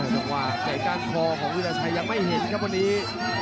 ต้องวางใกล้กลางคอของวิลาชัยยังไม่เห็นครับวันนี้